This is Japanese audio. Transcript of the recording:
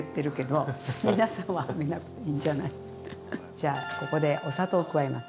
じゃあここでお砂糖を加えます。